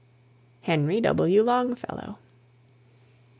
HENRY W. LONGFELLOW.